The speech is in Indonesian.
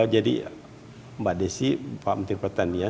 jadi mbak desi pak menteri petani ya